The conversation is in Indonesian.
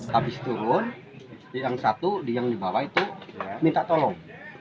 habis turun yang satu yang di bawah itu minta tolong